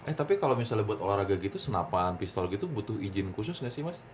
eh tapi kalau misalnya buat olahraga gitu senapan pistol gitu butuh izin khusus nggak sih mas